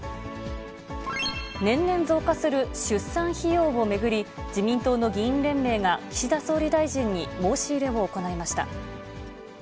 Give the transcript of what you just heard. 年々増加する出産費用を巡り、自民党の議員連盟が岸田総理大臣に申し入れを行いました。